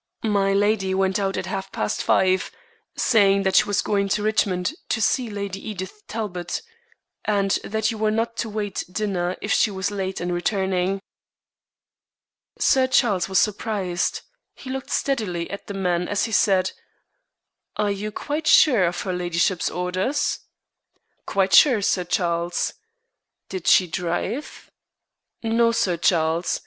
"Milady went out at half past five, saying that she was going to Richmond to see Lady Edith Talbot, and that you were not to wait dinner if she was late in returning." Sir Charles was surprised. He looked steadily at the man as he said: "Are you quite sure of her ladyship's orders?" "Quite sure, Sir Charles." "Did she drive?" "No, Sir Charles.